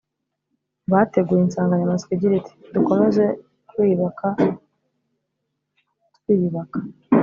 bateguye insangamatsiko igira iti dukomeze kwiyubaka twiyubaka